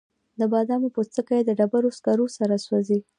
د بادامو پوستکي د ډبرو سکرو سره سوځي؟